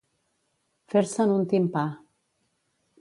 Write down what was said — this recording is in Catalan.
Fer-se'n un timpà.